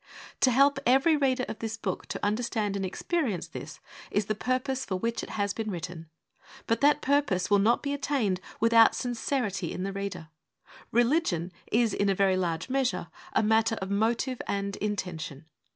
To help every reader of this book to understand and experience this is the purpose for which it has been written. But that purpose will not be attained without sincerity in the reader. Religion is in a very large measure a matter of motive and intention.